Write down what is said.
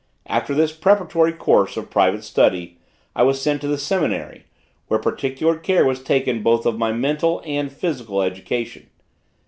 After this preparatory course of private study, I was sent to the seminary, where particular care was taken both of my mental and physical education.